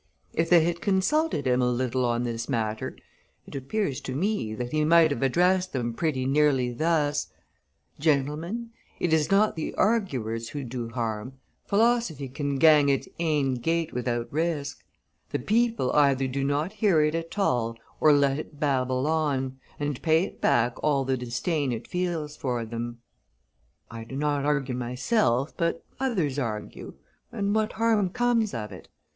If they had consulted him a little on this matter, it appears to me that he might have addressed them pretty nearly thus: 'Gentlemen, it is not the arguers who do harm; philosophy can gang its ain gait without risk;' the people either do not hear it at all or let it babble on, and pay it back all the disdain it feels for them. I do not argue myself, but others argue, and what harm comes of it?